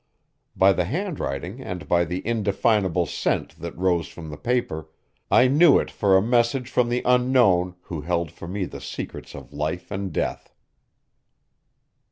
By the handwriting and by the indefinable scent that rose from the paper, I knew it for a message from the Unknown who held for me the secrets of life and death.